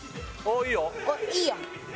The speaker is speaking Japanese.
おっいいやん。